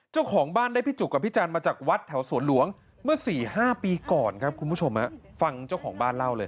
เจ้าของบ้านได้พี่จุกกับพี่จันทร์มาจากวัดแถวสวนหลวงเมื่อสี่ห้าปีก่อนครับคุณผู้ชมฟังเจ้าของบ้านเล่าเลย